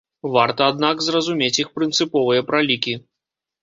Варта, аднак, зразумець іх прынцыповыя пралікі.